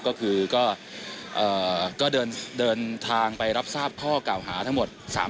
ก็คือก็เดินทางไปรับทราบข้อเก่าหาทั้งหมด